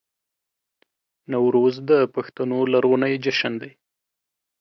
نوروز د پښتنو لرغونی جشن دی